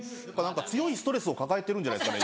強いストレスを抱えてるんじゃないですか？